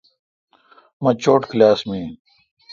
مہ چوٹ کلاس می این۔